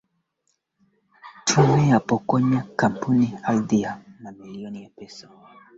Uingereza walipoahidi kuachana na uharamia na kupokea ulinzi